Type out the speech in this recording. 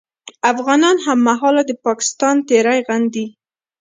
افغانان هممهاله د پاکستان تېری غندي